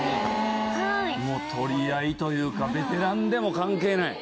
取り合いというかベテランでも関係ない？